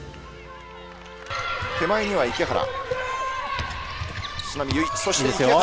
手前には池原。